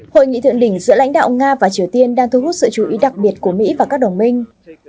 hội nghị thượng đỉnh giữa lãnh đạo nga và triều tiên đang thu hút sự chú ý đặc biệt của mỹ và các đồng minh